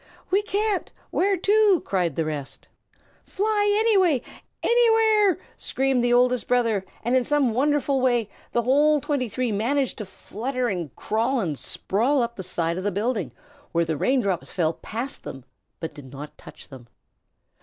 "We can't. Where to?" cried the rest. "Fly any way, anywhere!" screamed the Oldest Brother, and in some wonderful way the whole twenty three managed to flutter and crawl and sprawl up the side of the building, where the rain drops fell past but did not touch them.